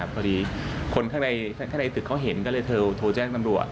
พอดีคนข้างในตึกเขาเห็นก็เลยโทรแจ้งตำรวจ